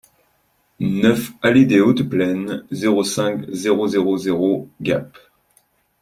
neuf allée Dès Hautes Plaines, zéro cinq, zéro zéro zéro, Gap